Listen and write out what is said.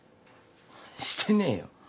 してねえよ。